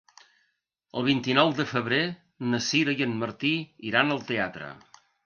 El vint-i-nou de febrer na Sira i en Martí iran al teatre.